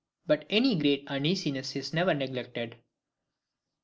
But any great Uneasiness is never neglected.